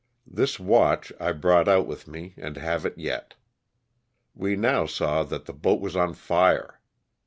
This watch I brought out with me and have it yet. We now saw that the boat was on fire.